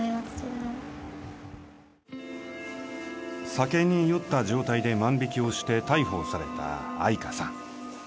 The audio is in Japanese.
酒に酔った状態で万引きをして逮捕された愛華さん。